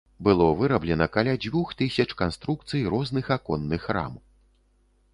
Было выраблена каля дзвюх тысяч канструкцый розных аконных рам.